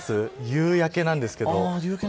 夕焼けなんですけど。